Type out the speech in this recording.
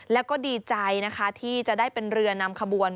แล้วก็ดีใจนะคะที่จะได้เป็นเรือนำขบวน